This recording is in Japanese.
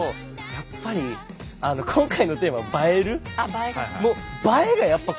やっぱり今回のテーマは「映える」。